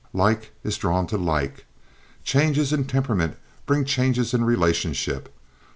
Like is drawn to like. Changes in temperament bring changes in relationship.